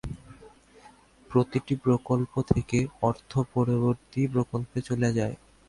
প্রতিটি প্রকল্প থেকে অর্থ পরবর্তী প্রকল্পে চলে যায়।